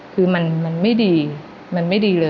คือมันไม่ดี